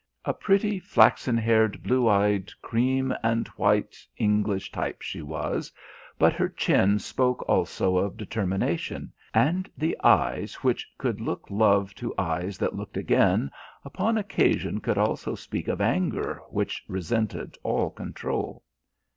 A pretty, flaxen haired, blue eyed, cream and white English type she was, but her chin spoke also of determination and the eyes which could "look love to eyes that looked again," upon occasion could also speak of anger which resented all control.